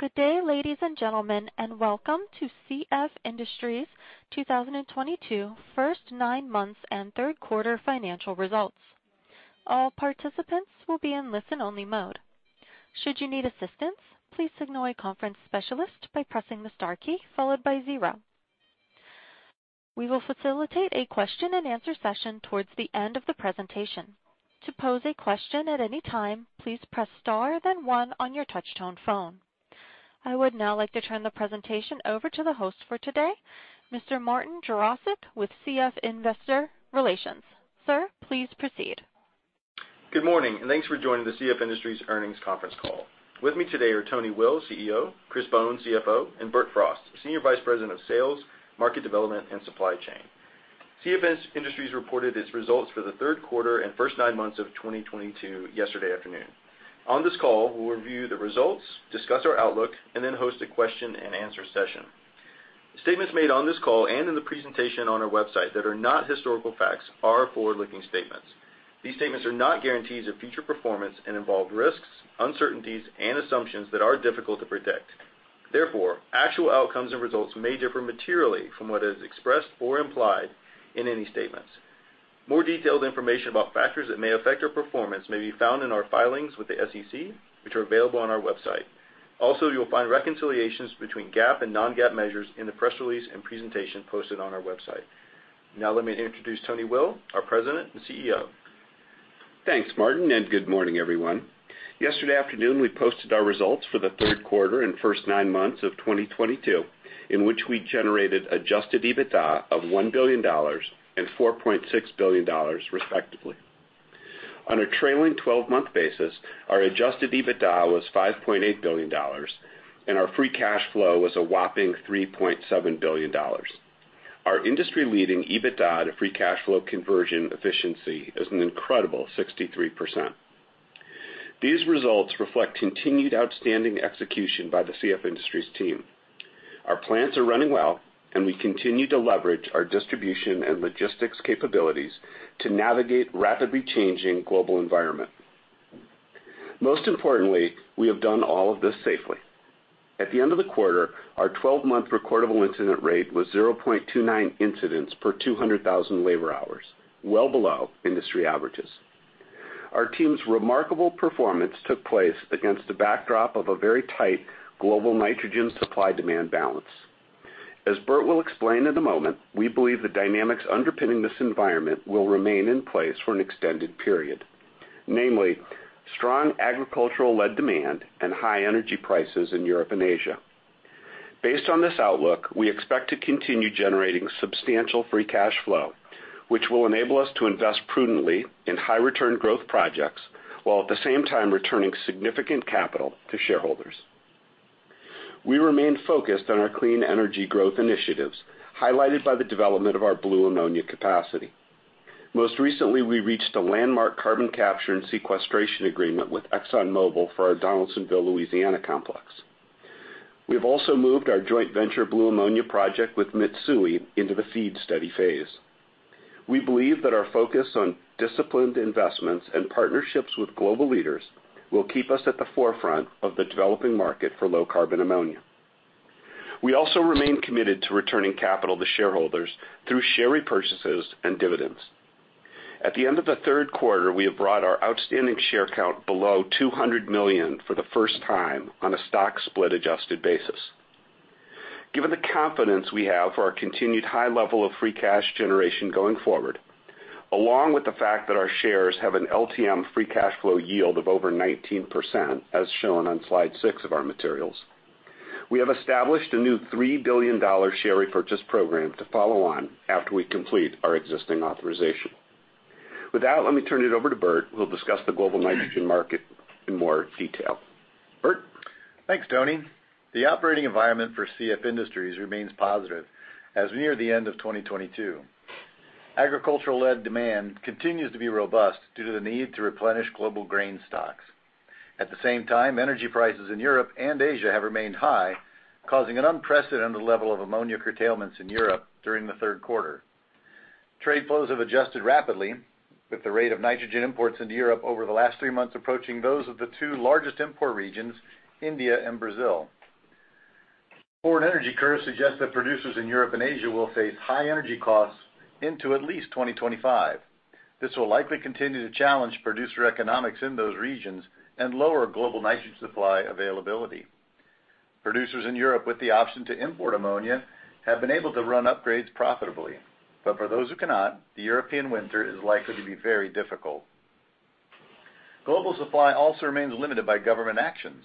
Good day, ladies and gentlemen, and welcome to CF Industries 2022 first nine months and third quarter financial results. All participants will be in listen-only mode. Should you need assistance, please signal a conference specialist by pressing the star key followed by zero. We will facilitate a question-and-answer session towards the end of the presentation. To pose a question at any time, please press star then one on your touchtone phone. I would now like to turn the presentation over to the host for today, Mr. Martin Jarosick with CF Investor Relations. Sir, please proceed. Good morning, and thanks for joining the CF Industries earnings conference call. With me today are Tony Will, CEO, Chris Bohn, CFO, and Bert Frost, Senior Vice President of Sales, Market Development, and Supply Chain. CF Industries reported its results for the third quarter and first nine months of 2022 yesterday afternoon. On this call, we'll review the results, discuss our outlook, and then host a question-and-answer session. Statements made on this call and in the presentation on our website that are not historical facts are forward-looking statements. These statements are not guarantees of future performance and involve risks, uncertainties, and assumptions that are difficult to predict. Therefore, actual outcomes and results may differ materially from what is expressed or implied in any statements. More detailed information about factors that may affect our performance may be found in our filings with the SEC, which are available on our website. Also, you'll find reconciliations between GAAP and non-GAAP measures in the press release and presentation posted on our website. Now let me introduce Tony Will, our President and CEO. Thanks, Martin, and good morning, everyone. Yesterday afternoon, we posted our results for the third quarter and first nine months of 2022, in which we generated adjusted EBITDA of $1 billion and $4.6 billion, respectively. On a trailing 12-month basis, our adjusted EBITDA was $5.8 billion, and our free cash flow was a whopping $3.7 billion. Our industry-leading EBITDA to free cash flow conversion efficiency is an incredible 63%. These results reflect continued outstanding execution by the CF Industries team. Our plants are running well, and we continue to leverage our distribution and logistics capabilities to navigate rapidly changing global environment. Most importantly, we have done all of this safely. At the end of the quarter, our 12-month recordable incident rate was 0.29 incidents per 200,000 labor hours, well below industry averages. Our team's remarkable performance took place against the backdrop of a very tight global nitrogen supply-demand balance. As Bert will explain in a moment, we believe the dynamics underpinning this environment will remain in place for an extended period, namely strong agricultural-led demand and high energy prices in Europe and Asia. Based on this outlook, we expect to continue generating substantial free cash flow, which will enable us to invest prudently in high-return growth projects, while at the same time returning significant capital to shareholders. We remain focused on our clean energy growth initiatives, highlighted by the development of our blue ammonia capacity. Most recently, we reached a landmark carbon capture and sequestration agreement with ExxonMobil for our Donaldsonville, Louisiana complex. We have also moved our joint venture blue ammonia project with Mitsui into the FEED study phase. We believe that our focus on disciplined investments and partnerships with global leaders will keep us at the forefront of the developing market for low-carbon ammonia. We also remain committed to returning capital to shareholders through share repurchases and dividends. At the end of the third quarter, we have brought our outstanding share count below 200 million for the first time on a stock split adjusted basis. Given the confidence we have for our continued high level of free cash generation going forward, along with the fact that our shares have an LTM free cash flow yield of over 19%, as shown on Slide 6 of our materials, we have established a new $3 billion share repurchase program to follow on after we complete our existing authorization. With that, let me turn it over to Bert, who will discuss the global nitrogen market in more detail. Bert? Thanks, Tony. The operating environment for CF Industries remains positive as we near the end of 2022. Agricultural-led demand continues to be robust due to the need to replenish global grain stocks. At the same time, energy prices in Europe and Asia have remained high, causing an unprecedented level of ammonia curtailments in Europe during the third quarter. Trade flows have adjusted rapidly, with the rate of nitrogen imports into Europe over the last three months approaching those of the two largest import regions, India and Brazil. Foreign energy curves suggest that producers in Europe and Asia will face high energy costs into at least 2025. This will likely continue to challenge producer economics in those regions and lower global nitrogen supply availability. Producers in Europe with the option to import ammonia have been able to run upgrades profitably, but for those who cannot, the European winter is likely to be very difficult. Global supply also remains limited by government actions.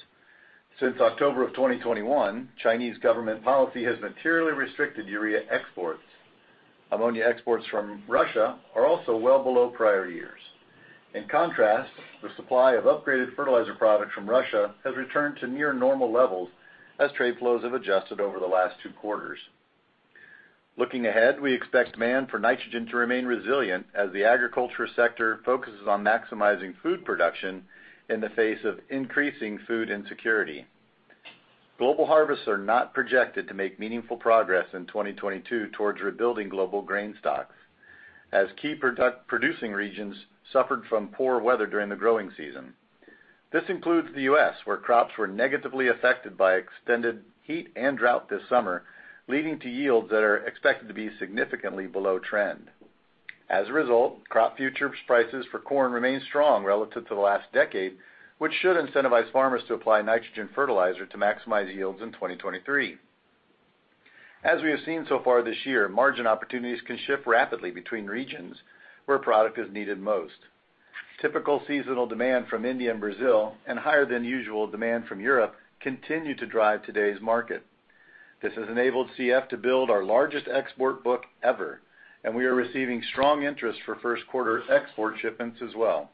Since October of 2021, Chinese government policy has materially restricted urea exports. Ammonia exports from Russia are also well below prior years. In contrast, the supply of upgraded fertilizer products from Russia has returned to near normal levels as trade flows have adjusted over the last two quarters. Looking ahead, we expect demand for nitrogen to remain resilient as the agriculture sector focuses on maximizing food production in the face of increasing food insecurity. Global harvests are not projected to make meaningful progress in 2022 towards rebuilding global grain stocks, as key product producing regions suffered from poor weather during the growing season. This includes the U.S., where crops were negatively affected by extended heat and drought this summer, leading to yields that are expected to be significantly below trend. As a result, crop futures prices for corn remain strong relative to the last decade, which should incentivize farmers to apply nitrogen fertilizer to maximize yields in 2023. As we have seen so far this year, margin opportunities can shift rapidly between regions where product is needed most. Typical seasonal demand from India and Brazil and higher than usual demand from Europe continue to drive today's market. This has enabled CF to build our largest export book ever, and we are receiving strong interest for first quarter export shipments as well.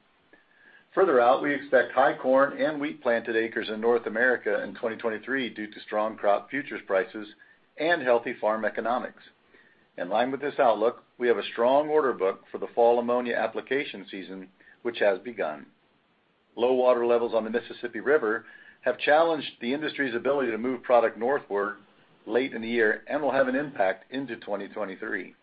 Further out, we expect high corn and wheat planted acres in North America in 2023 due to strong crop futures prices and healthy farm economics. In line with this outlook, we have a strong order book for the fall ammonia application season, which has begun. Low water levels on the Mississippi River have challenged the industry's ability to move product northward late in the year and will have an impact into 2023.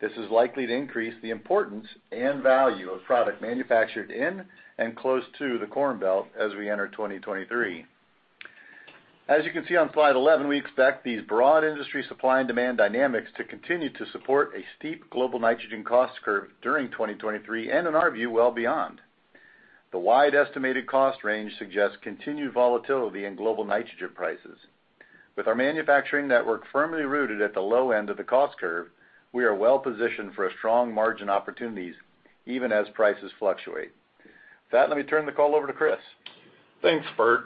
This is likely to increase the importance and value of product manufactured in and close to the Corn Belt as we enter 2023. As you can see on Slide 11, we expect these broad industry supply and demand dynamics to continue to support a steep global nitrogen cost curve during 2023, and in our view, well beyond. The wide estimated cost range suggests continued volatility in global nitrogen prices. With our manufacturing network firmly rooted at the low end of the cost curve, we are well positioned for a strong margin opportunities even as prices fluctuate. With that, let me turn the call over to Chris. Thanks, Bert.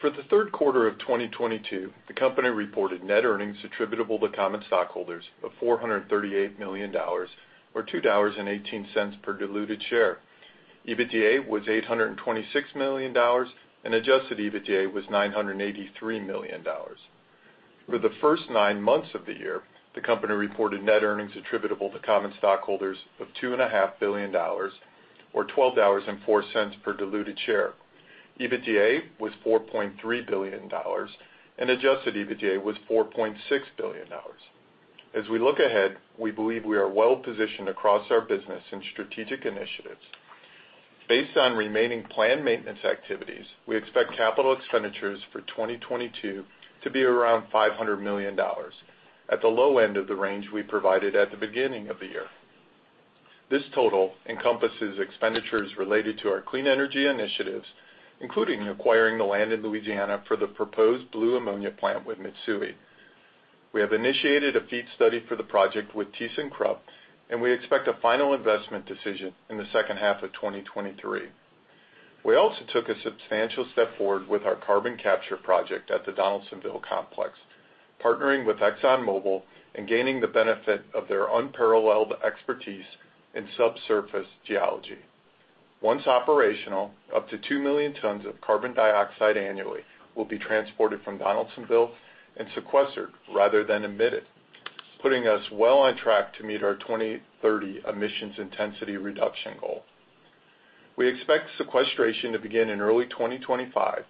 For the third quarter of 2022, the company reported net earnings attributable to common stockholders of $438 million or $2.18 per diluted share. EBITDA was $826 million, and adjusted EBITDA was $983 million. For the first nine months of the year, the company reported net earnings attributable to common stockholders of $2.5 billion or $12.04 per diluted share. EBITDA was $4.3 billion, and adjusted EBITDA was $4.6 billion. We look ahead, we believe we are well-positioned across our business and strategic initiatives. Based on remaining planned maintenance activities, we expect capital expenditures for 2022 to be around $500 million at the low end of the range we provided at the beginning of the year. This total encompasses expenditures related to our clean energy initiatives, including acquiring the land in Louisiana for the proposed blue ammonia plant with Mitsui. We have initiated a FEED study for the project with thyssenkrupp, and we expect a final investment decision in the second half of 2023. We also took a substantial step forward with our carbon capture project at the Donaldsonville complex, partnering with ExxonMobil and gaining the benefit of their unparalleled expertise in subsurface geology. Once operational, up to 2 million tons of carbon dioxide annually will be transported from Donaldsonville and sequestered rather than emitted, putting us well on track to meet our 2030 emissions intensity reduction goal. We expect sequestration to begin in early 2025,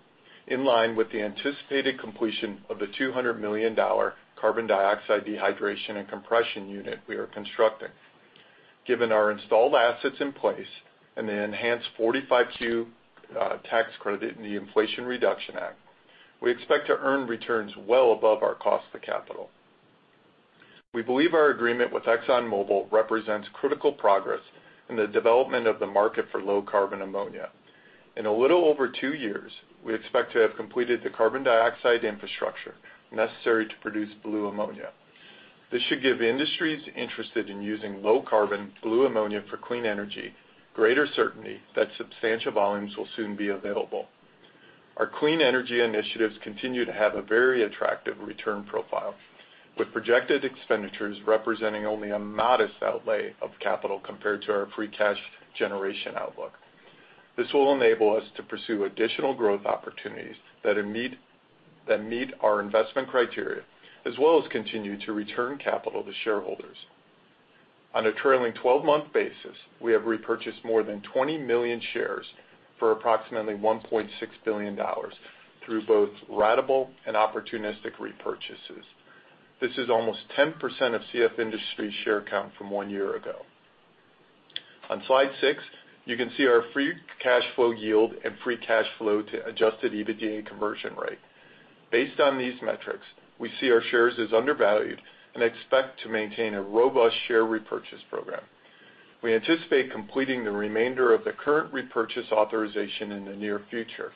in line with the anticipated completion of the $200 million carbon dioxide dehydration and compression unit we are constructing. Given our installed assets in place and the enhanced 45Q tax credit in the Inflation Reduction Act, we expect to earn returns well above our cost of capital. We believe our agreement with ExxonMobil represents critical progress in the development of the market for low carbon ammonia. In a little over two years, we expect to have completed the carbon dioxide infrastructure necessary to produce blue ammonia. This should give industries interested in using low carbon blue ammonia for clean energy greater certainty that substantial volumes will soon be available. Our clean energy initiatives continue to have a very attractive return profile, with projected expenditures representing only a modest outlay of capital compared to our free cash generation outlook. This will enable us to pursue additional growth opportunities that meet our investment criteria, as well as continue to return capital to shareholders. On a trailing 12-month basis, we have repurchased more than 20 million shares for approximately $1.6 billion through both ratable and opportunistic repurchases. This is almost 10% of CF Industries share count from one year ago. On Slide 6, you can see our free cash flow yield and free cash flow to adjusted EBITDA conversion rate. Based on these metrics, we see our shares as undervalued and expect to maintain a robust share repurchase program. We anticipate completing the remainder of the current repurchase authorization in the near future.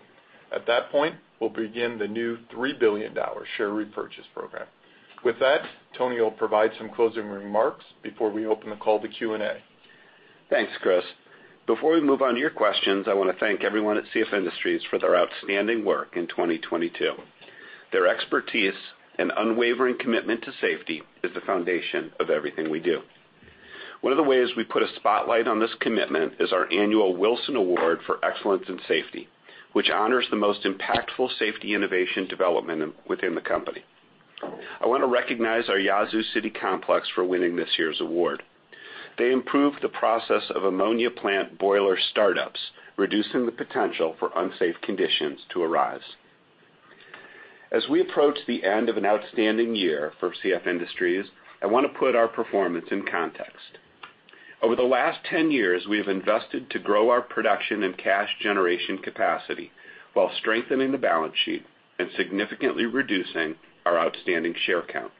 At that point, we'll begin the new $3 billion share repurchase program. With that, Tony will provide some closing remarks before we open the call to Q&A. Thanks, Chris. Before we move on to your questions, I wanna thank everyone at CF Industries for their outstanding work in 2022. Their expertise and unwavering commitment to safety is the foundation of everything we do. One of the ways we put a spotlight on this commitment is our annual Wilson Award for Excellence in Safety, which honors the most impactful safety innovation development within the company. I wanna recognize our Yazoo City complex for winning this year's award. They improved the process of ammonia plant boiler startups, reducing the potential for unsafe conditions to arise. As we approach the end of an outstanding year for CF Industries, I wanna put our performance in context. Over the last 10 years, we have invested to grow our production and cash generation capacity while strengthening the balance sheet and significantly reducing our outstanding share count.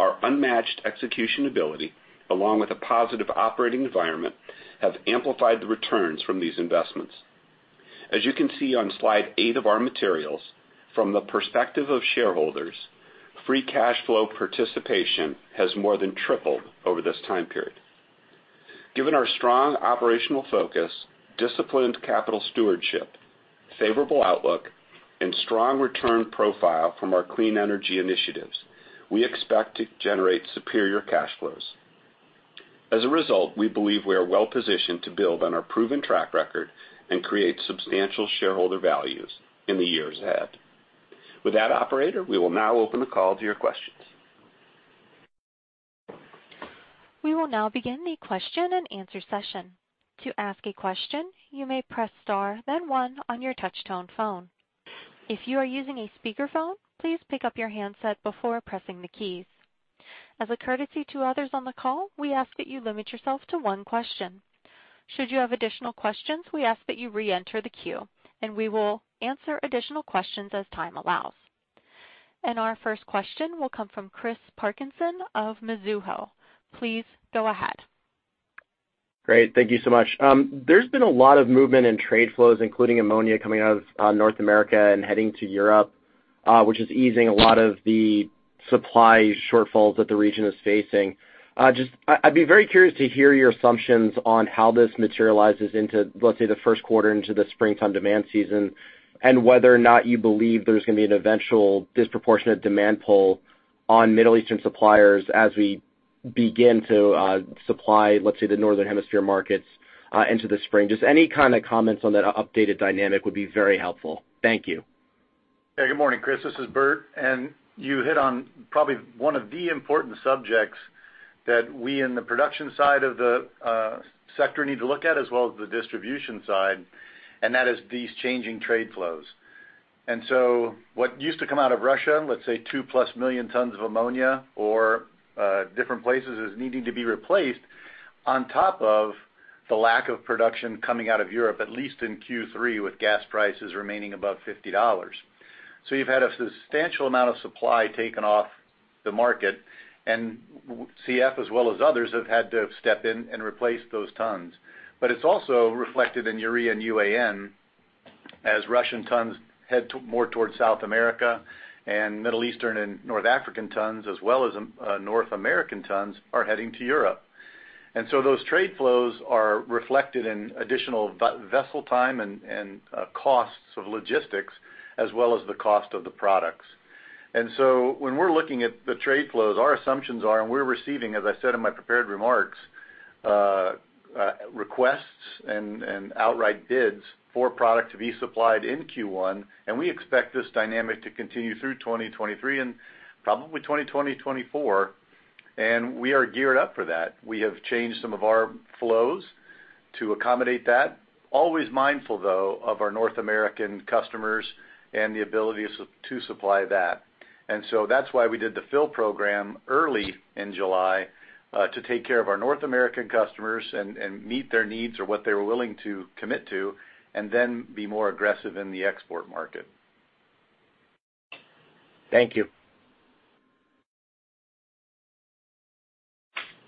Our unmatched execution ability, along with a positive operating environment, have amplified the returns from these investments. As you can see on Slide 8 of our materials, from the perspective of shareholders, free cash flow participation has more than tripled over this time period. Given our strong operational focus, disciplined capital stewardship, favorable outlook, and strong return profile from our clean energy initiatives, we expect to generate superior cash flows. As a result, we believe we are well-positioned to build on our proven track record and create substantial shareholder values in the years ahead. With that, operator, we will now open the call to your questions. We will now begin the question and answer session. To ask a question, you may press star, then one on your touchtone phone. If you are using a speaker phone, please pick up your handset before pressing the keys. As a courtesy to others on the call, we ask that you limit yourself to one question. Should you have additional questions, we ask that you reenter the queue, and we will answer additional questions as time allows. Our first question will come from Chris Parkinson of Mizuho. Please go ahead. Great. Thank you so much. There's been a lot of movement in trade flows, including ammonia coming out of North America and heading to Europe, which is easing a lot of the supply shortfalls that the region is facing. Just, I'd be very curious to hear your assumptions on how this materializes into, let's say, the first quarter into the springtime demand season, and whether or not you believe there's gonna be an eventual disproportionate demand pull on Middle Eastern suppliers as we begin to supply, let's say, the Northern Hemisphere markets into the spring. Just any kind of comments on that updated dynamic would be very helpful. Thank you. Good morning, Chris. This is Bert, and you hit on probably one of the important subjects that we in the production side of the sector need to look at, as well as the distribution side, and that is these changing trade flows. What used to come out of Russia, let's say 2+ million tons of ammonia or different places, is needing to be replaced on top of the lack of production coming out of Europe, at least in Q3, with gas prices remaining above $50. You've had a substantial amount of supply taken off the market, and we, CF, as well as others, have had to step in and replace those tons. It's also reflected in urea and UAN as Russian tons head to more towards South America and Middle Eastern and North African tons, as well as North American tons, are heading to Europe. Those trade flows are reflected in additional vessel time and costs of logistics as well as the cost of the products. When we're looking at the trade flows, our assumptions are, and we're receiving, as I said in my prepared remarks, requests and outright bids for product to be supplied in Q1, and we expect this dynamic to continue through 2023 and probably 2024, and we are geared up for that. We have changed some of our flows to accommodate that. Always mindful, though, of our North American customers and the ability to supply that. That's why we did the fill program early in July to take care of our North American customers and meet their needs or what they were willing to commit to, and then be more aggressive in the export market. Thank you.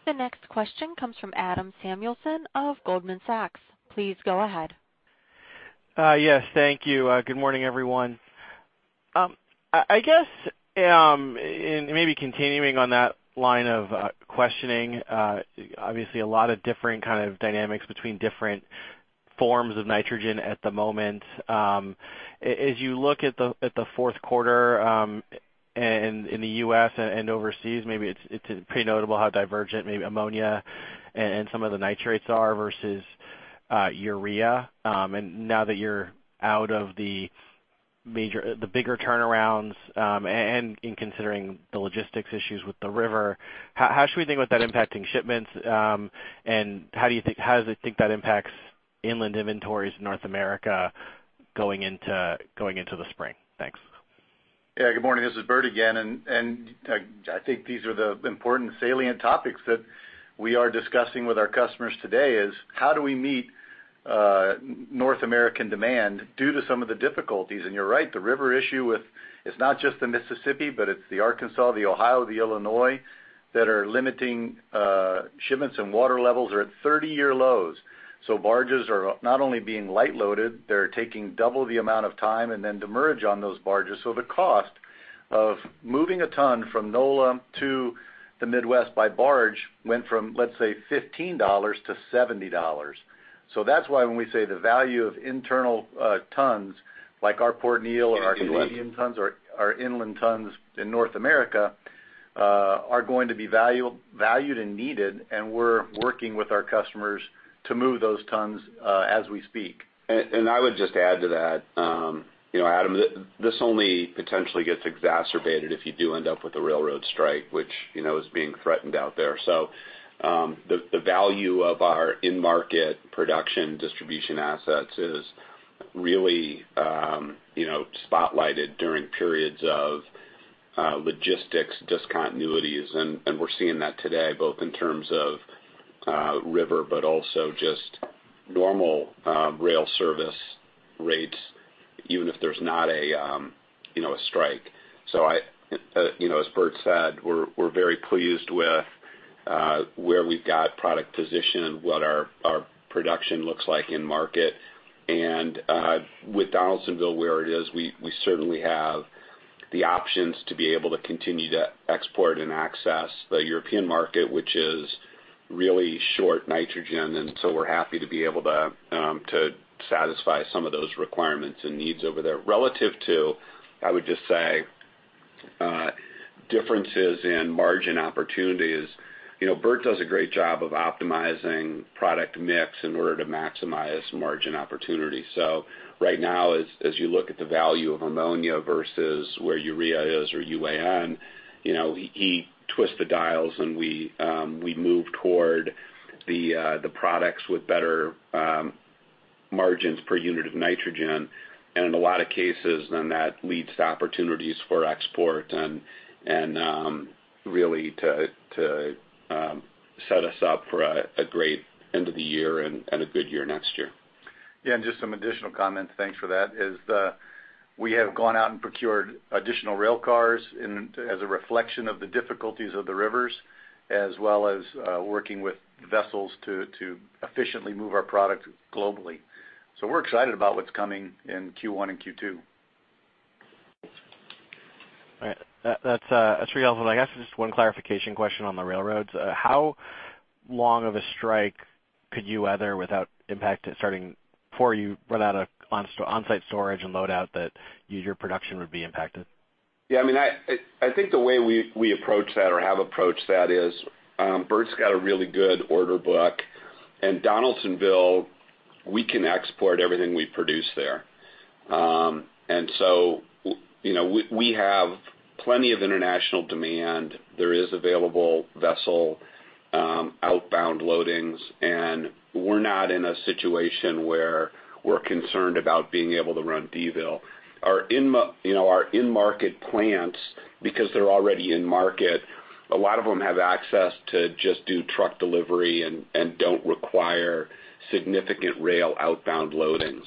The next question comes from Adam Samuelson of Goldman Sachs. Please go ahead. Yes, thank you. Good morning, everyone. I guess maybe continuing on that line of questioning, obviously a lot of different kind of dynamics between different forms of nitrogen at the moment. As you look at the fourth quarter in the U.S. and overseas, maybe it's pretty notable how divergent ammonia and some of the nitrates are versus urea. Now that you're out of the bigger turnarounds, in considering the logistics issues with the river, how should we think about that impacting shipments? How do they think that impacts inland inventories in North America going into the spring? Thanks. Yeah. Good morning. This is Bert again. I think these are the important salient topics that we are discussing with our customers today, is how do we meet North American demand due to some of the difficulties? You're right, the river issue. It's not just the Mississippi, but it's the Arkansas, the Ohio, the Illinois that are limiting shipments, and water levels are at 30-year lows. Barges are not only being light loaded, they're taking double the amount of time and then demurrage on those barges. The cost of moving a ton from NOLA to the Midwest by barge went from, let's say, $15-$70. That's why when we say the value of internal tons like our Port Neal or or our inland tons in North America, are going to be valued and needed, and we're working with our customers to move those tons, as we speak. I would just add to that, you know, Adam, this only potentially gets exacerbated if you do end up with a railroad strike, which, you know, is being threatened out there. The value of our in-market production distribution assets is really, you know, spotlighted during periods of logistics discontinuities. We're seeing that today both in terms of river, but also just normal rail service rates, even if there's not a strike. I, you know, as Bert said, we're very pleased with where we've got product position and what our production looks like in market. With Donaldsonville where it is, we certainly have the options to be able to continue to export and access the European market, which is really short nitrogen. We're happy to be able to satisfy some of those requirements and needs over there. Relative to, I would just say, differences in margin opportunities. You know, Bert does a great job of optimizing product mix in order to maximize margin opportunity. Right now, as you look at the value of ammonia versus where urea is or UAN, you know, he twists the dials and we move toward the products with better margins per unit of nitrogen. In a lot of cases that leads to opportunities for export and really to set us up for a great end of the year and a good year next year. Yeah, just some additional comments, thanks for that. We have gone out and procured additional rail cars as a reflection of the difficulties of the rivers, as well as working with vessels to efficiently move our product globally. We're excited about what's coming in Q1 and Q2. All right. That's real. I guess just one clarification question on the railroads. How long of a strike could you weather without impact, starting before you run out of on-site storage and load out that your production would be impacted? Yeah, I mean, I think the way we approach that or have approached that is, Bert's got a really good order book. Donaldsonville, we can export everything we produce there. You know, we have plenty of international demand. There is available vessel outbound loadings, and we're not in a situation where we're concerned about being able to run Donaldsonville. Our in-market plants, because they're already in market, a lot of them have access to just do truck delivery and don't require significant rail outbound loadings.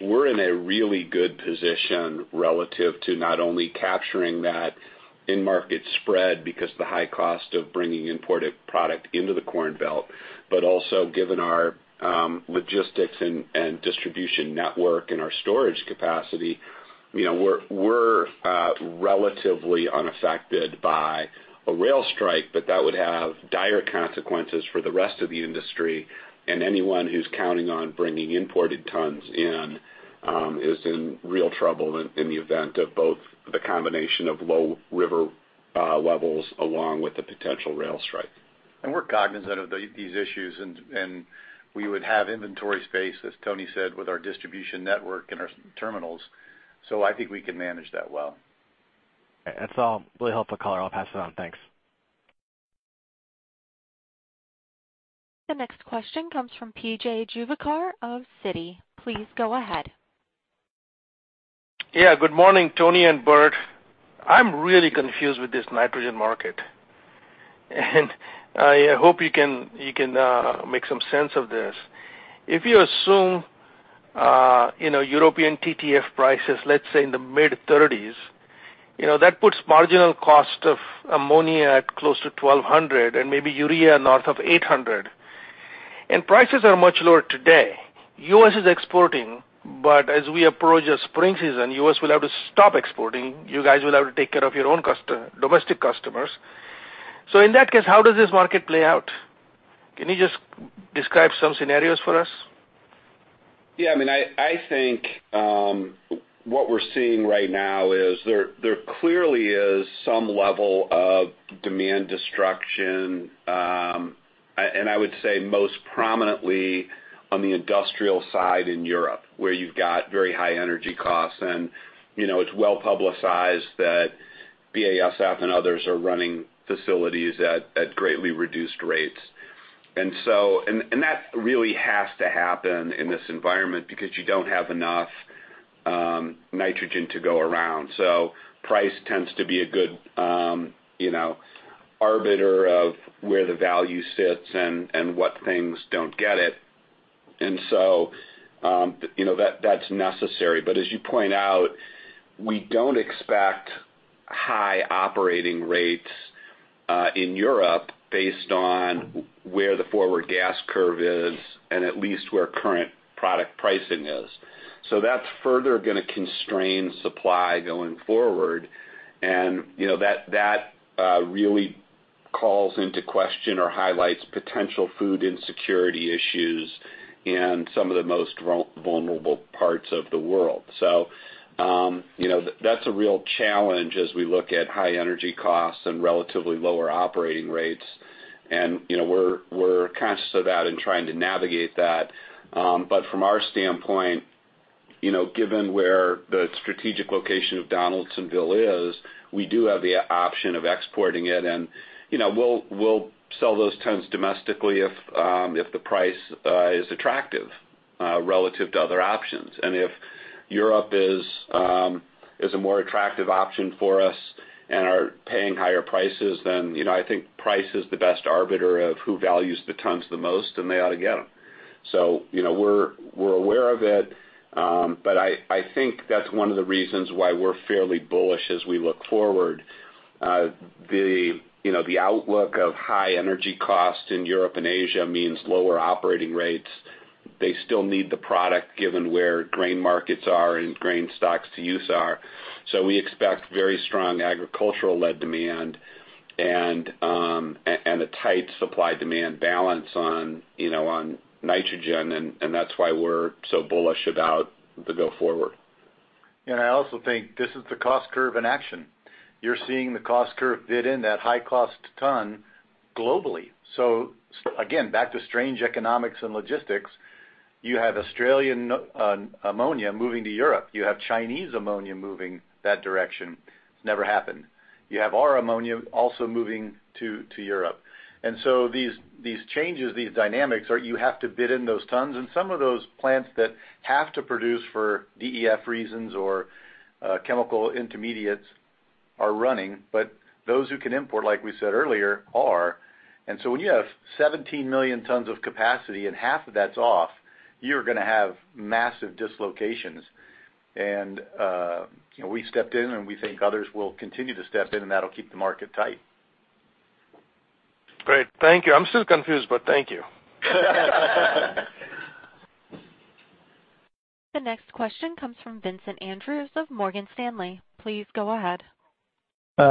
We're in a really good position relative to not only capturing that in-market spread because the high cost of bringing imported product into the Corn Belt, but also given our logistics and distribution network and our storage capacity. You know, we're relatively unaffected by a rail strike, but that would have dire consequences for the rest of the industry. Anyone who's counting on bringing imported tons in is in real trouble in the event of both the combination of low river levels along with the potential rail strike. We're cognizant of these issues and we would have inventory space, as Tony said, with our distribution network and our terminals. I think we can manage that well. That's all. Really helpful color. I'll pass it on. Thanks. The next question comes from P.J. Juvekar of Citi. Please go ahead. Yeah, good morning Tony and Bert. I'm really confused with this nitrogen market, and I hope you can make some sense of this. If you assume you know, European TTF prices, let's say in the mid-30s, you know, that puts marginal cost of ammonia at close to $1,200 and maybe urea north of $800. Prices are much lower today. U.S. is exporting, but as we approach the spring season, U.S. will have to stop exporting. You guys will have to take care of your own domestic customers. In that case, how does this market play out? Can you just describe some scenarios for us? Yeah, I mean, I think what we're seeing right now is there clearly is some level of demand destruction. I would say most prominently on the industrial side in Europe, where you've got very high energy costs. You know, it's well publicized that BASF and others are running facilities at greatly reduced rates. That really has to happen in this environment because you don't have enough nitrogen to go around. Price tends to be a good, you know, arbiter of where the value sits and what things don't get it. You know, that's necessary. As you point out, we don't expect high operating rates in Europe based on where the forward gas curve is and at least where current product pricing is. That's further gonna constrain supply going forward. You know, that really calls into question or highlights potential food insecurity issues in some of the most vulnerable parts of the world. You know, that's a real challenge as we look at high energy costs and relatively lower operating rates. You know, we're conscious of that and trying to navigate that. But from our standpoint, you know, given where the strategic location of Donaldsonville is, we do have the option of exporting it and, you know, we'll sell those tons domestically if the price is attractive relative to other options. If Europe is a more attractive option for us and are paying higher prices, then, you know, I think price is the best arbiter of who values the tons the most, and they ought to get 'em. You know, we're aware of it. I think that's one of the reasons why we're fairly bullish as we look forward. You know, the outlook of high energy costs in Europe and Asia means lower operating rates. They still need the product given where grain markets are and grain stocks to use are. We expect very strong agricultural-led demand and a tight supply-demand balance on, you know, on nitrogen and that's why we're so bullish about the go forward. I also think this is the cost curve in action. You're seeing the cost curve bid in that high cost ton globally. Again, back to strange economics and logistics, you have Australian ammonia moving to Europe. You have Chinese ammonia moving that direction. It's never happened. You have our ammonia also moving to Europe. These changes, these dynamics are you have to bid in those tons, and some of those plants that have to produce for DEF reasons or chemical intermediates are running. Those who can import, like we said earlier, are. When you have 17 million tons of capacity and half of that's off, you're gonna have massive dislocations. You know, we stepped in, and we think others will continue to step in, and that'll keep the market tight. Great. Thank you. I'm still confused, but thank you. The next question comes from Vincent Andrews of Morgan Stanley. Please go ahead.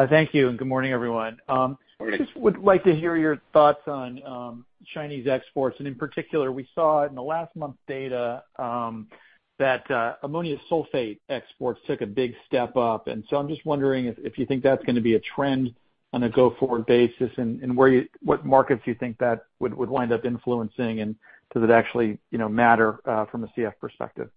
Thank you, and good morning, everyone. Good morning. Just would like to hear your thoughts on Chinese exports, and in particular, we saw in the last month's data that ammonium sulfate exports took a big step up. I'm just wondering if you think that's gonna be a trend on a go-forward basis and what markets you think that would wind up influencing and does it actually, you know, matter from a CF perspective.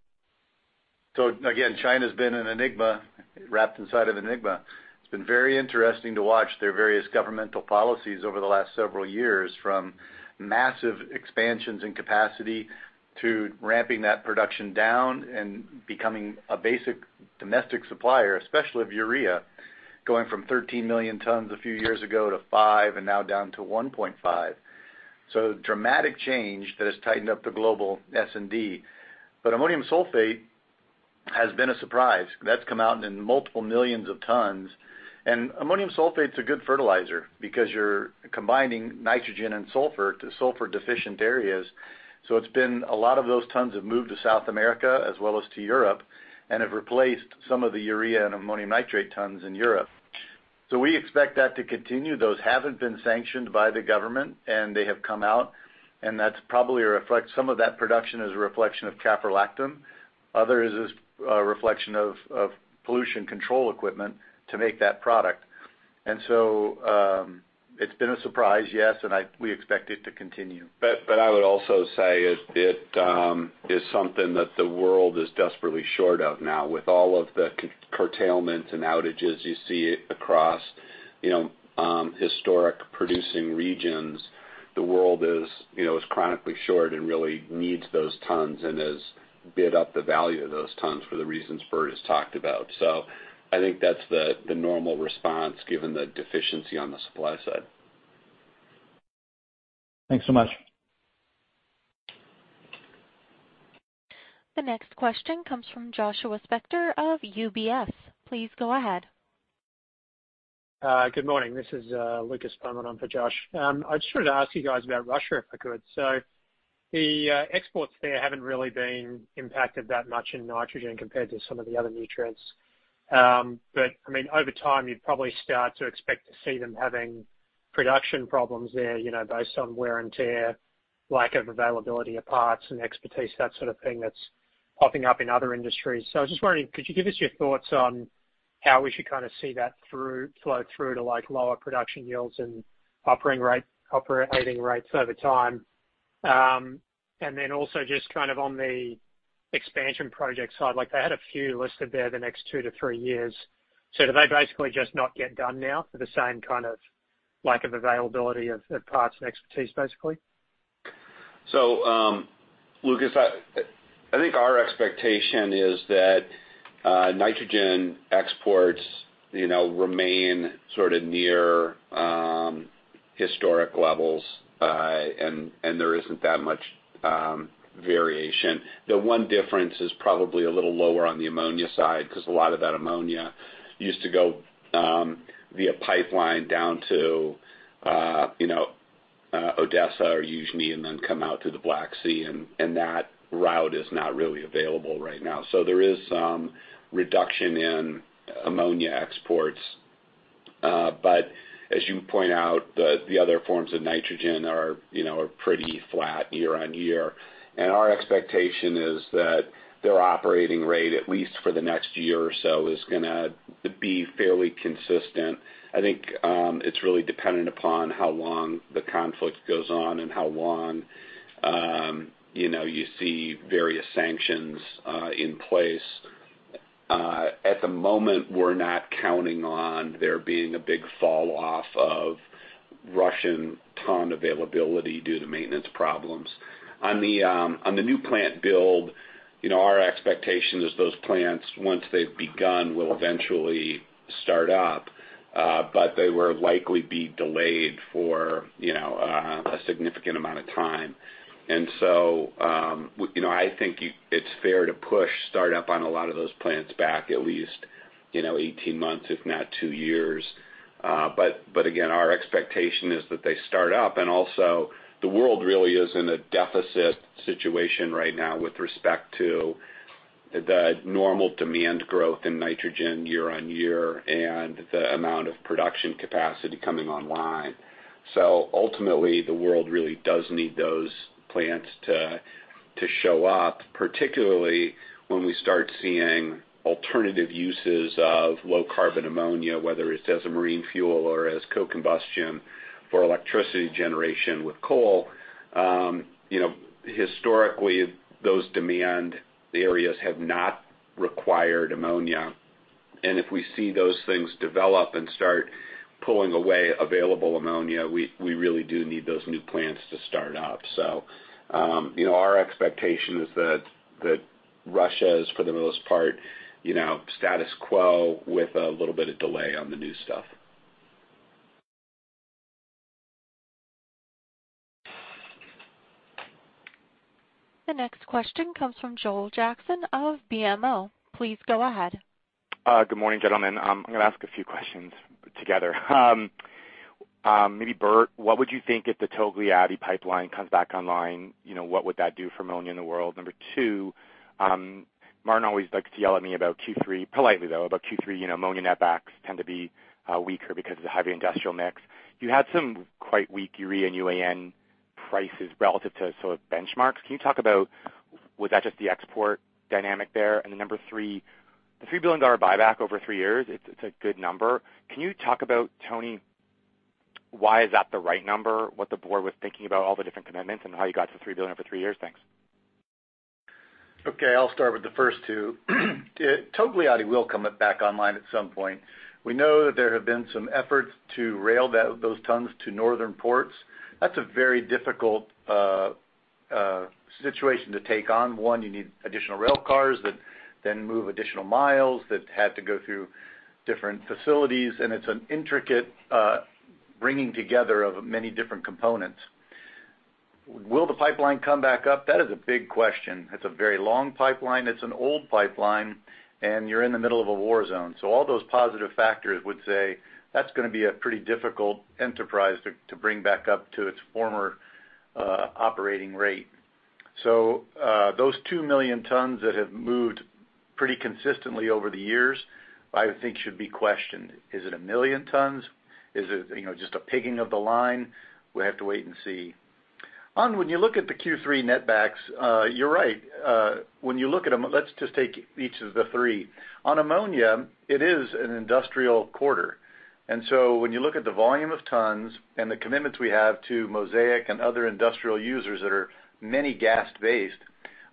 Again, China's been an enigma wrapped inside of an enigma. It's been very interesting to watch their various governmental policies over the last several years, from massive expansions in capacity to ramping that production down and becoming a basic domestic supplier, especially of urea, going from 13 million tons a few years ago to five and now down to 1.5. Dramatic change that has tightened up the global S&D. Ammonium sulfate has been a surprise. That's come out in multiple millions of tons. Ammonium sulfate's a good fertilizer because you're combining nitrogen and sulfur to sulfur-deficient areas. It's been a lot of those tons have moved to South America as well as to Europe and have replaced some of the urea and ammonium nitrate tons in Europe. We expect that to continue. Those haven't been sanctioned by the government, and they have come out, and that's probably some of that production is a reflection of caprolactam. Other is a reflection of pollution control equipment to make that product. It's been a surprise, yes, and we expect it to continue. I would also say it is something that the world is desperately short of now with all of the curtailment and outages you see across, you know, historic producing regions. The world is, you know, is chronically short and really needs those tons and has bid up the value of those tons for the reasons Bert has talked about. I think that's the normal response given the deficiency on the supply side. Thanks so much. The next question comes from Joshua Spector of UBS. Please go ahead. Good morning. This is Lucas Beaumont on for Josh. I just wanted to ask you guys about Russia, if I could. The exports there haven't really been impacted that much in nitrogen compared to some of the other nutrients. I mean, over time, you'd probably start to expect to see them having production problems there, you know, based on wear and tear, lack of availability of parts and expertise, that sort of thing that's popping up in other industries. I was just wondering, could you give us your thoughts on how we should kind of see that flow through to, like, lower production yields and operating rates over time? Also just kind of on the expansion project side, like they had a few listed there the next two to three years. Do they basically just not get done now for the same kind of lack of availability of parts and expertise, basically? Lucas, I think our expectation is that nitrogen exports, you know, remain sort of near historic levels, and there isn't that much variation. The one difference is probably a little lower on the ammonia side 'cause a lot of that ammonia used to go via pipeline down to you know, Odessa or Yuzhny, and then come out to the Black Sea and that route is not really available right now. There is some reduction in ammonia exports. But as you point out, the other forms of nitrogen are, you know, pretty flat year-on-year. Our expectation is that their operating rate, at least for the next year or so, is gonna be fairly consistent. I think it's really dependent upon how long the conflict goes on and how long you know you see various sanctions in place. At the moment, we're not counting on there being a big falloff of Russian ton availability due to maintenance problems. On the new plant build, you know, our expectation is those plants, once they've begun, will eventually start up, but they will likely be delayed for you know a significant amount of time. You know, I think it's fair to push startup on a lot of those plants back at least you know 18 months, if not two years. But again, our expectation is that they start up. Also the world really is in a deficit situation right now with respect to the normal demand growth in nitrogen year on year and the amount of production capacity coming online. Ultimately, the world really does need those plants to show up, particularly when we start seeing alternative uses of low carbon ammonia, whether it's as a marine fuel or as co-combustion for electricity generation with coal. You know, historically those demand areas have not required ammonia. If we see those things develop and start pulling away available ammonia, we really do need those new plants to start up. Our expectation is that Russia is for the most part, you know, status quo with a little bit of delay on the new stuff. The next question comes from Joel Jackson of BMO. Please go ahead. Good morning, gentlemen. I'm gonna ask a few questions together. Maybe Bert, what would you think if the Togliatti pipeline comes back online? You know, what would that do for ammonia in the world? Number two, Martin always likes to yell at me about Q3, politely though, about Q3, you know, ammonia netbacks tend to be weaker because of the heavy industrial mix. You had some quite weak urea and UAN prices relative to sort of benchmarks. Can you talk about was that just the export dynamic there? Then number three, the $3 billion buyback over three years, it's a good number. Can you talk about, Tony, why is that the right number, what the Board was thinking about all the different commitments, and how you got to $3 billion over three years? Thanks. Okay. I'll start with the first two. Togliatti will come back online at some point. We know that there have been some efforts to rail those tons to northern ports. That's a very difficult situation to take on. One, you need additional rail cars that then move additional miles that have to go through different facilities. It's an intricate bringing together of many different components. Will the pipeline come back up? That is a big question. It's a very long pipeline. It's an old pipeline, and you're in the middle of a war zone. All those positive factors would say that's gonna be a pretty difficult enterprise to bring back up to its former operating rate. Those 2 million tons that have moved pretty consistently over the years, I think should be questioned. Is it 1 million tons? Is it, you know, just a pigging of the line? We have to wait and see. Now when you look at the Q3 netbacks, you're right. When you look at them, let's just take each of the three. On ammonia, it is an industrial quarter. When you look at the volume of tons and the commitments we have to Mosaic and other industrial users that are mainly gas-based,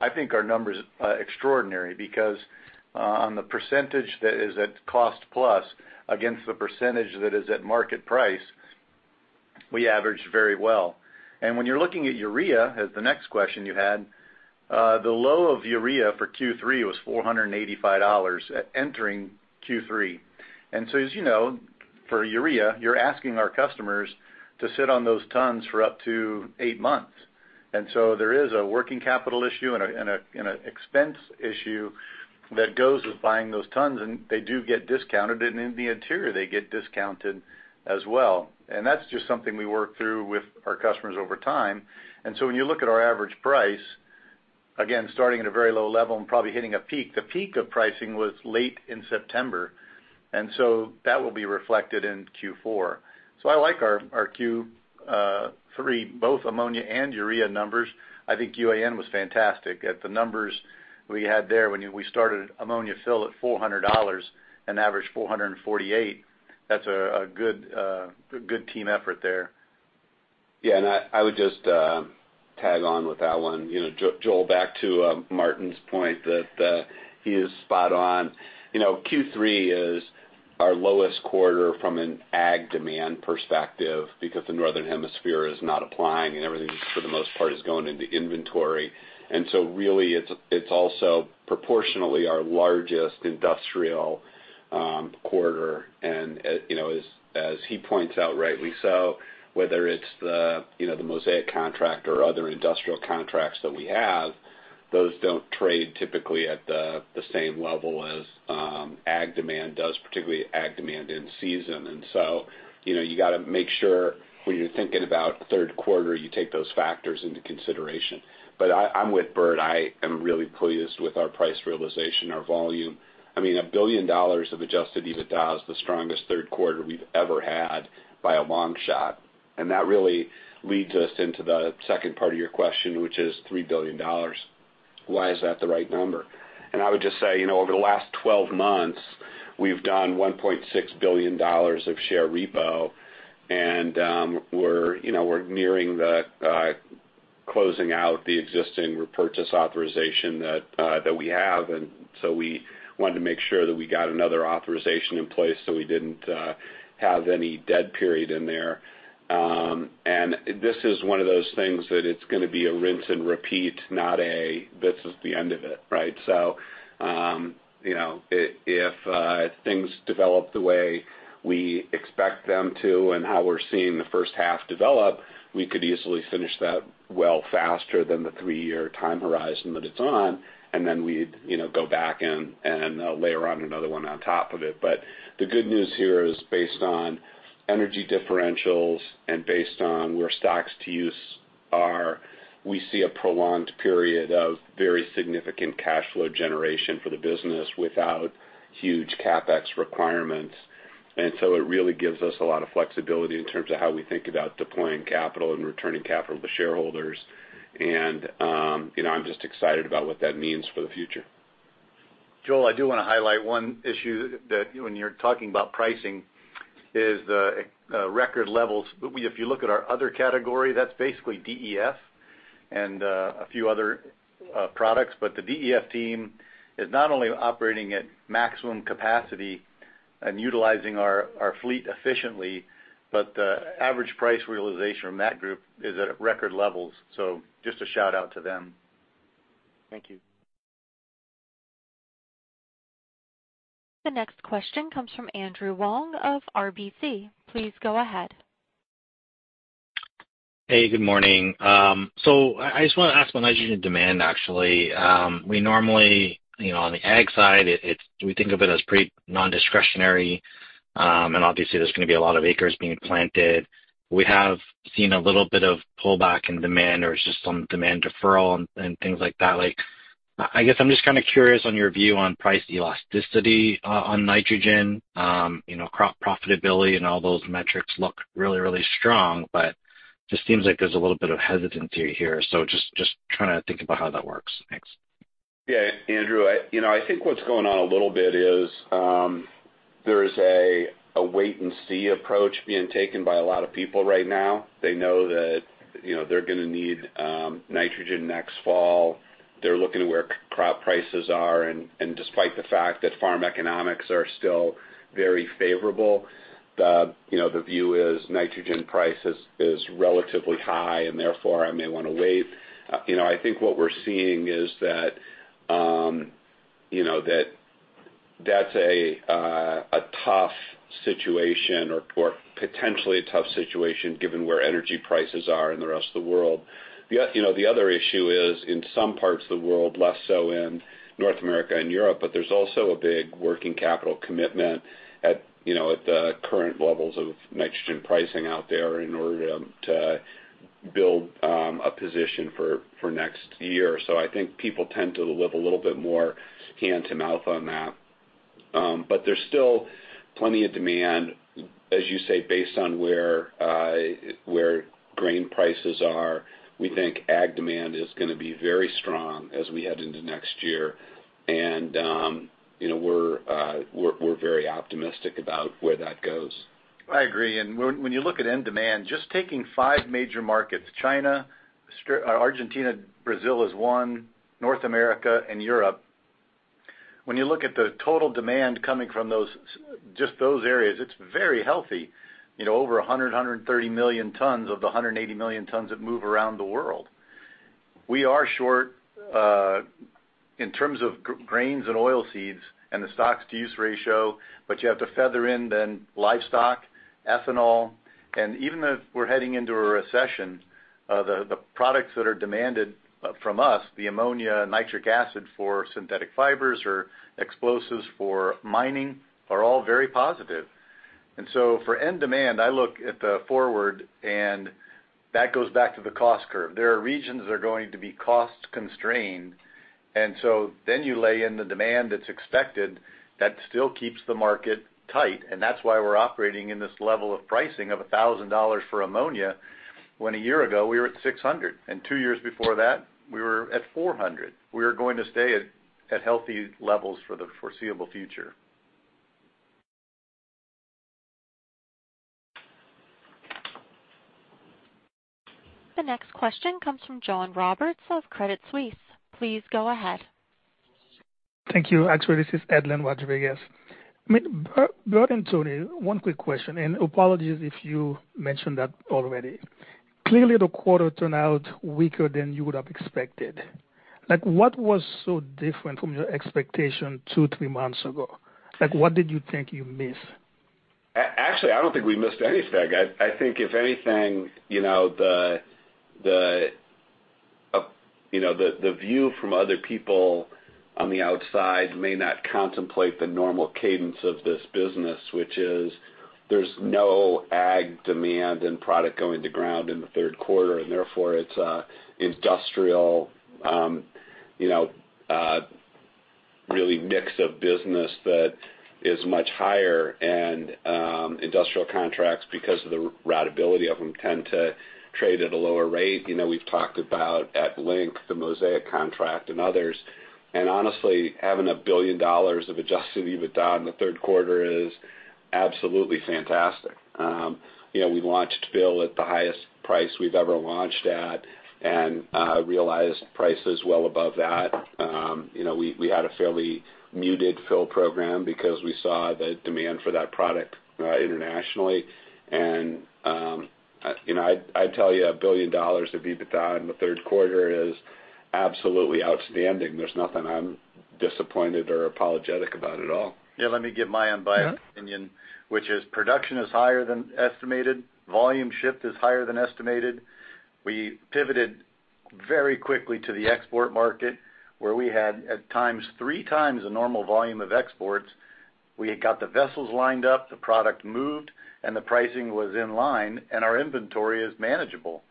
I think our number is extraordinary because on the percentage that is at cost plus against the percentage that is at market price, we average very well. When you're looking at urea, as the next question you had, the low of urea for Q3 was $485 upon entering Q3. As you know, for urea, you're asking our customers to sit on those tons for up to eight months. There is a working capital issue and an expense issue that goes with buying those tons, and they do get discounted. In the interior, they get discounted as well. That's just something we work through with our customers over time. When you look at our average price, again, starting at a very low level and probably hitting a peak, the peak of pricing was late in September. That will be reflected in Q4. I like our Q3, both ammonia and urea numbers. I think UAN was fantastic. At the numbers we had there when we started ammonia fell at $400 and averaged $448, that's a good team effort there. Yeah. I would just tag on with that one. You know, Joel, back to Martin's point that he is spot on. You know, Q3 is our lowest quarter from an ag demand perspective because the Northern Hemisphere is not applying and everything for the most part is going into inventory. Really it's also proportionally our largest industrial quarter. You know, as he points out rightly so, whether it's the Mosaic contract or other industrial contracts that we have. Those don't trade typically at the same level as ag demand does, particularly ag demand in season. You know, you gotta make sure when you're thinking about third quarter, you take those factors into consideration. But I'm with Bert. I am really pleased with our price realization, our volume. I mean, $1 billion of adjusted EBITDA is the strongest third quarter we've ever had by a long shot. That really leads us into the second part of your question, which is $3 billion. Why is that the right number? I would just say, you know, over the last 12 months, we've done $1.6 billion of share repo, and we're nearing closing out the existing repurchase authorization that we have. We wanted to make sure that we got another authorization in place so we didn't have any dead period in there. This is one of those things that it's gonna be a rinse and repeat, not a, "This is the end of it," right? If things develop the way we expect them to and how we're seeing the first half develop, we could easily finish that well faster than the three-year time horizon that it's on, and then we'd go back and layer on another one on top of it. The good news here is based on energy differentials and based on where stocks-to-use are, we see a prolonged period of very significant cash flow generation for the business without huge CapEx requirements. I'm just excited about what that means for the future. Joel, I do wanna highlight one issue that when you're talking about pricing is the record levels. If you look at our other category, that's basically DEF and a few other products. The DEF team is not only operating at maximum capacity and utilizing our fleet efficiently, but the average price realization from that group is at record levels. Just a shout-out to them. Thank you. The next question comes from Andrew Wong of RBC. Please go ahead. Hey, good morning. I just wanna ask about nitrogen demand, actually. We normally, you know, on the ag side, we think of it as pretty nondiscretionary, and obviously there's gonna be a lot of acres being planted. We have seen a little bit of pullback in demand or just some demand deferral and things like that. Like, I guess I'm just kinda curious on your view on price elasticity on nitrogen, you know, crop profitability and all those metrics look really, really strong, but just seems like there's a little bit of hesitancy here. Just trying to think about how that works. Thanks. Yeah, Andrew, you know, I think what's going on a little bit is there is a wait and see approach being taken by a lot of people right now. They know that, you know, they're gonna need nitrogen next fall. They're looking at where crop prices are. Despite the fact that farm economics are still very favorable, you know, the view is nitrogen price is relatively high, and therefore I may wanna wait. You know, I think what we're seeing is that that's a tough situation or potentially a tough situation given where energy prices are in the rest of the world. You know, the other issue is in some parts of the world, less so in North America and Europe, but there's also a big working capital commitment at, you know, at the current levels of nitrogen pricing out there in order to build a position for next year. I think people tend to live a little bit more hand to mouth on that. There's still plenty of demand. As you say, based on where grain prices are, we think ag demand is gonna be very strong as we head into next year. You know, we're very optimistic about where that goes. I agree. When you look at end demand, just taking five major markets, China, or Argentina, Brazil as one, North America and Europe. When you look at the total demand coming from those, just those areas, it's very healthy. You know, over 130 million tons of the 180 million tons that move around the world. We are short in terms of grains and oilseeds and the stocks to use ratio, but you have to feather in then livestock, ethanol. Even if we're heading into a recession, the products that are demanded from us, the ammonia and nitric acid for synthetic fibers or explosives for mining are all very positive. For end demand, I look at the forward and that goes back to the cost curve. There are regions that are going to be cost-constrained. You lay in the demand that's expected, that still keeps the market tight. That's why we're operating in this level of pricing of $1,000 for ammonia, when a year ago we were at $600, and two years before that, we were at $400. We are going to stay at healthy levels for the foreseeable future. The next question comes from John Roberts of Credit Suisse. Please go ahead. Thank you. Actually, this is Edlain Rodriguez. I mean, Bert and Tony, one quick question, and apologies if you mentioned that already. Clearly, the quarter turned out weaker than you would have expected. Like, what was so different from your expectation two, three months ago? Like, what did you think you missed? Actually, I don't think we missed any aspect. I think if anything, you know, the view from other people on the outside may not contemplate the normal cadence of this business, which is there's no ag demand and product going to ground in the third quarter, and therefore it's industrial, you know, the real mix of business that is much higher. Industrial contracts, because of the ratability of them, tend to trade at a lower rate. You know, we've talked about at length the Mosaic contract and others. Honestly, having $1 billion of adjusted EBITDA in the third quarter is absolutely fantastic. You know, we launched fill at the highest price we've ever launched at, and realized prices well above that. You know, we had a fairly muted fill program because we saw the demand for that product internationally. You know, I'd tell you $1 billion of EBITDA in the third quarter is absolutely outstanding. There's nothing I'm disappointed or apologetic about at all. Yeah, let me give my unbiased opinion, which is production is higher than estimated. Volume shipped is higher than estimated. We pivoted very quickly to the export market, where we had at times three times the normal volume of exports. We had got the vessels lined up, the product moved, and the pricing was in line, and our inventory is manageable.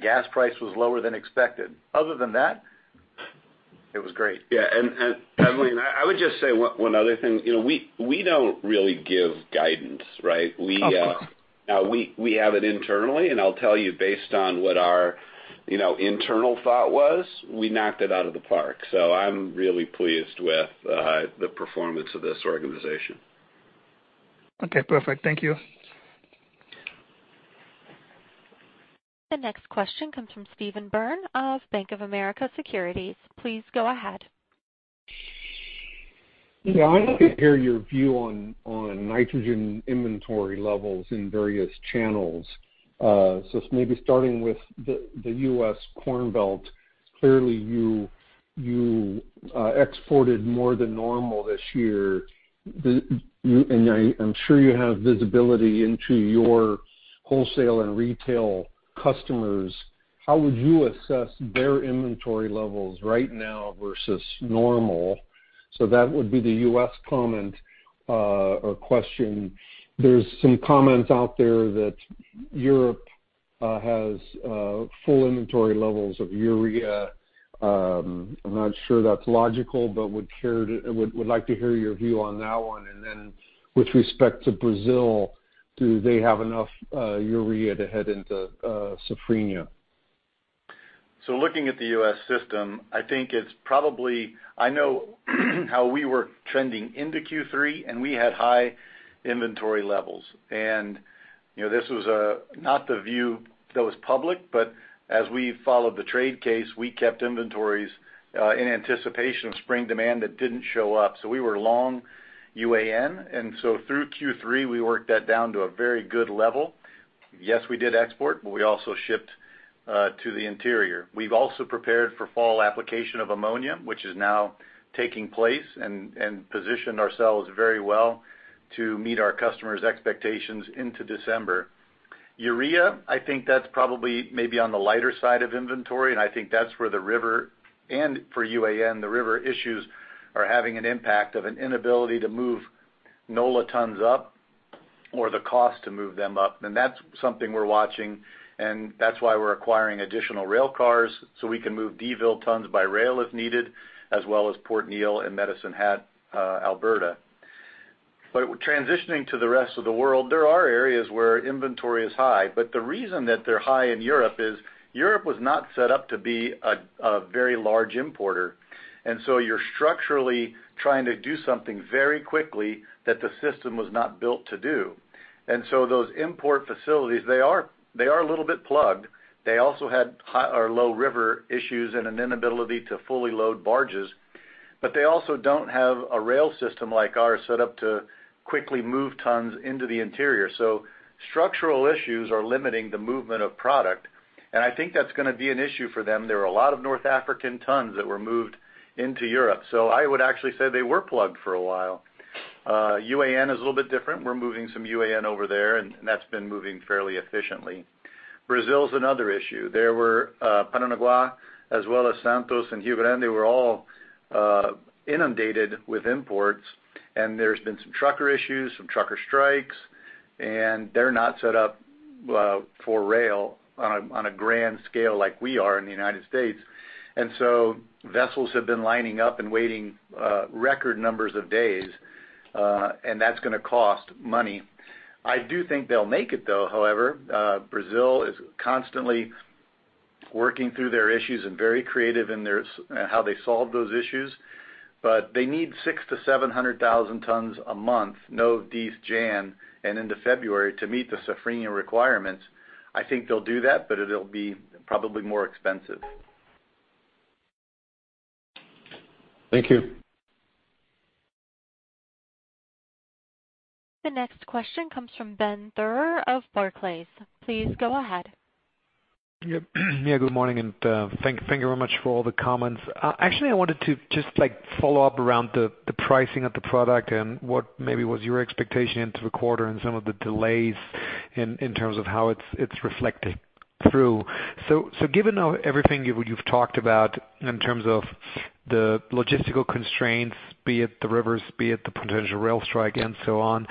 Gas price was lower than expected. Other than that, it was great. Yeah. Edlain, I would just say one other thing. You know, we don't really give guidance, right? No. We have it internally, and I'll tell you, based on what our, you know, internal thought was, we knocked it out of the park. I'm really pleased with the performance of this organization. Okay, perfect. Thank you. The next question comes from Stephen Byrne of Bank of America Securities. Please go ahead. Yeah. I want to hear your view on nitrogen inventory levels in various channels. Maybe starting with the U.S. Corn Belt. Clearly, you exported more than normal this year. I'm sure you have visibility into your wholesale and retail customers. How would you assess their inventory levels right now versus normal? That would be the U.S. comment or question. There's some comments out there that Europe has full inventory levels of urea. I'm not sure that's logical, but would like to hear your view on that one. Then with respect to Brazil, do they have enough urea to head into Safrinha? Looking at the U.S. system, I think it's probably. I know how we were trending into Q3, and we had high inventory levels. You know, this was not the view that was public, but as we followed the trade case, we kept inventories in anticipation of spring demand that didn't show up. We were long UAN. Through Q3, we worked that down to a very good level. Yes, we did export, but we also shipped to the interior. We've also prepared for fall application of ammonia, which is now taking place, and positioned ourselves very well to meet our customers' expectations into December. Urea, I think that's probably maybe on the lighter side of inventory, and I think that's where the river end for UAN, the river issues are having an impact on an inability to move NOLA tons up or the cost to move them up. That's something we're watching, and that's why we're acquiring additional rail cars, so we can move Donaldsonville tons by rail if needed, as well as Port Neal and Medicine Hat, Alberta. Transitioning to the rest of the world, there are areas where inventory is high. The reason that they're high in Europe is Europe was not set up to be a very large importer. Those import facilities, they are a little bit plugged. They also had high or low river issues and an inability to fully load barges. They also don't have a rail system like ours set up to quickly move tons into the interior. Structural issues are limiting the movement of product, and I think that's gonna be an issue for them. There are a lot of North African tons that were moved into Europe, so I would actually say they were plugged for a while. UAN is a little bit different. We're moving some UAN over there, and that's been moving fairly efficiently. Brazil is another issue. There were Paranaguá as well as Santos and Rio Grande, they were all inundated with imports. There's been some trucker issues, some trucker strikes, and they're not set up for rail on a grand scale like we are in the United States. Vessels have been lining up and waiting, record numbers of days, and that's gonna cost money. I do think they'll make it though, however. Brazil is constantly working through their issues and very creative in how they solve those issues. They need 600,000-700,000 tons a month, November, December, January, and into February to meet the Safrinha requirements. I think they'll do that, but it'll be probably more expensive. Thank you. The next question comes from Ben Theurer of Barclays. Please go ahead. Yep. Yeah, good morning, and thank you very much for all the comments. Actually I wanted to just, like, follow up around the pricing of the product and what maybe was your expectation into the quarter and some of the delays in terms of how it's reflecting through. Given how everything you've talked about in terms of the logistical constraints, be it the rivers, be it the potential rail strike and so on,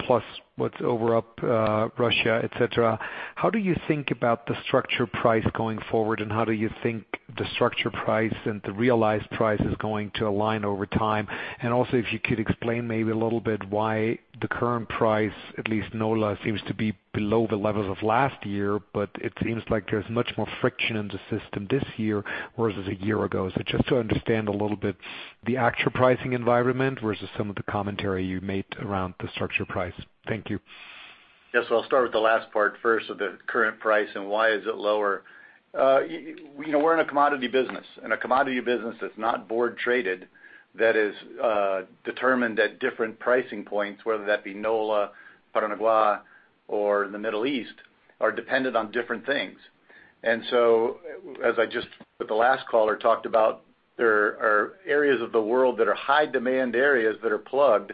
plus what's going on over in Russia, et cetera, how do you think about the structure price going forward, and how do you think the structure price and the realized price is going to align over time? If you could explain maybe a little bit why the current price, at least NOLA seems to be below the levels of last year, but it seems like there's much more friction in the system this year versus a year ago. Just to understand a little bit the actual pricing environment versus some of the commentary you made around the structure price. Thank you. Yes, I'll start with the last part first of the current price and why is it lower. You know, we're in a commodity business. In a commodity business that's not broadly traded, that is, determined at different pricing points, whether that be NOLA, Paranaguá, or the Middle East, are dependent on different things. As I just with the last caller talked about, there are areas of the world that are high demand areas that are plugged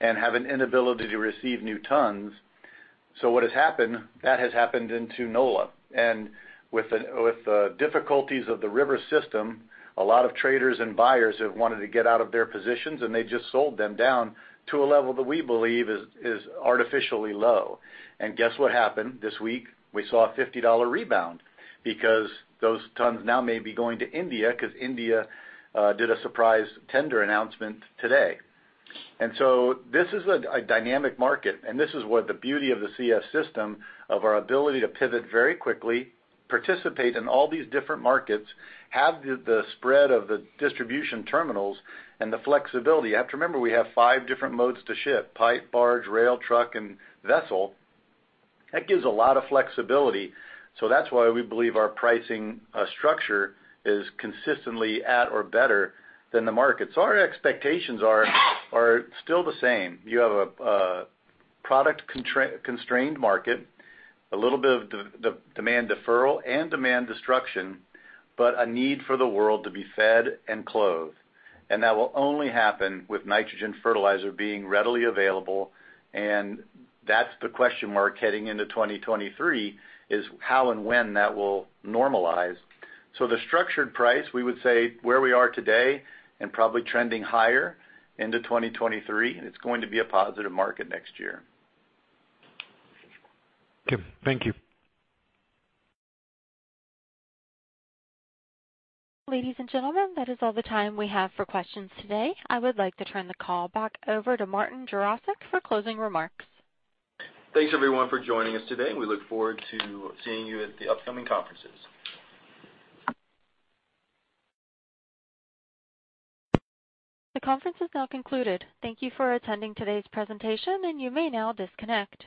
and have an inability to receive new tons. What has happened, that has happened into NOLA. With the difficulties of the river system, a lot of traders and buyers have wanted to get out of their positions, and they just sold them down to a level that we believe is artificially low. Guess what happened? This week we saw a $50 rebound because those tons now may be going to India because India did a surprise tender announcement today. This is a dynamic market, and this is what the beauty of the CF system of our ability to pivot very quickly, participate in all these different markets, have the spread of the distribution terminals and the flexibility. You have to remember, we have five different modes to ship, pipe, barge, rail, truck, and vessel. That gives a lot of flexibility. That's why we believe our pricing structure is consistently at or better than the market. Our expectations are still the same. You have a product-constrained market, a little bit of demand deferral and demand destruction, but a need for the world to be fed and clothed. That will only happen with nitrogen fertilizer being readily available, and that's the question mark heading into 2023, is how and when that will normalize. So, the structured price, we would say where we are today and probably trending higher into 2023, and it's going to be a positive market next year. Okay. Thank you. Ladies and gentlemen, that is all the time we have for questions today. I would like to turn the call back over to Martin Jarosick for closing remarks. Thanks everyone for joining us today. We look forward to seeing you at the upcoming conferences. The conference is now concluded. Thank you for attending today's presentation, and you may now disconnect.